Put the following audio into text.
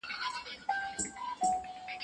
اورېدلي مي دي چي انسان